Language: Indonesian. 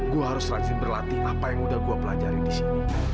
gue harus rajin berlatih apa yang udah gue pelajari disini